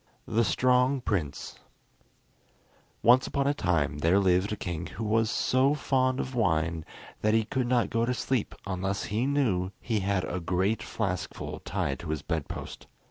] The Strong Prince Once upon a time there lived a king who was so fond of wine that he could not go to sleep unless he knew he had a great flaskful tied to his bed post.